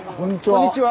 こんにちは。